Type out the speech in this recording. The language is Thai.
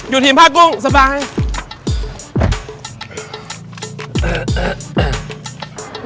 อยู่ทีมภาพกุ้งสะปังให้